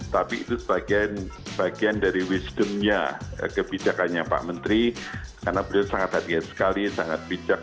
tapi itu sebagian dari wisdomnya kebijakannya pak menteri karena beliau sangat hati hati sekali sangat bijak